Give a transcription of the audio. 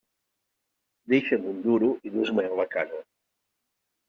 Deixa'm un duro i dus-me'l a casa.